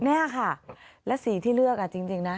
นี่ค่ะและสีที่เลือกจริงนะ